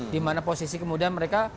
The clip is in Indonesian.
dimana posisi kemudian mereka